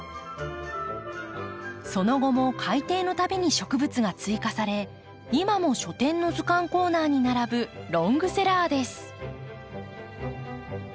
その後も改訂のたびに植物が追加され今も書店の図鑑コーナーに並ぶロングセラーです。